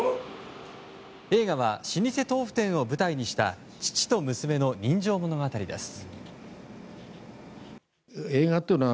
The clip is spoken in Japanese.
映画は老舗豆腐店を舞台にした父と娘の人情物語です。